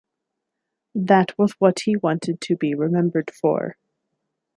That was what he wanted to be remembered for.